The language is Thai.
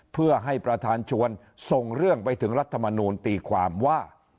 เพื่อให้ประธานชวนส่งเรื่องไปถึงรัฐมนูลตีความว่า